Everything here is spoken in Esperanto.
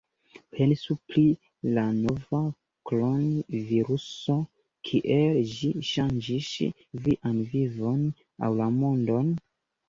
Pensu pri la nova kronviruso: kiel ĝi ŝanĝis vian vivon aŭ la mondon?